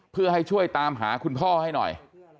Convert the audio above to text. เพื่อให้ช่วยตามหาคุณพ่อให้หน่อย